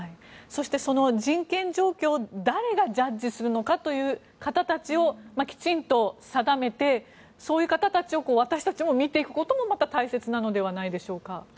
そして、その人権状況を誰がジャッジするのかという方たちをきちんと定めてそういう方たちを私たちも見ていくこともまた大切なのではないでしょうか。